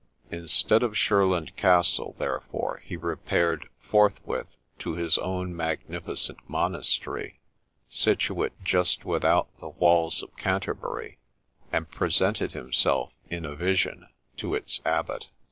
Instead of Shurland Castle, therefore, he repaired forth with to his own magnificent monastery, situate just without the walls of Canterbury, and presented himself in a vision to its abbot.